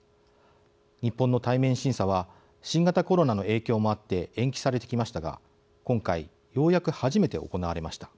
日本の対面審査は新型コロナの影響もあって延期されてきましたが今回ようやく初めて行われました。